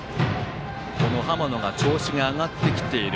浜野が調子が上がってきている。